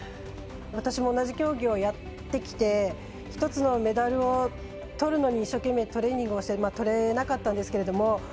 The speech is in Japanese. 私も同じ競技をやってきて１つのメダルをとるのに一生懸命トレーニングをしてとれなかったんですけど。